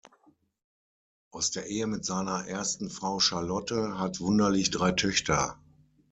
Aus der Ehe mit seiner ersten Frau Charlotte hat Wunderlich drei Töchter.